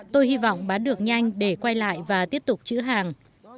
tôi hy vọng bán được nhanh để quay lại và tiếp tục chữ hàng